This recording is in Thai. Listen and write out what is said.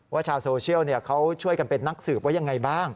ชาวโซเชียลเขาช่วยกันเป็นนักสืบไว้ยังไงบ้าง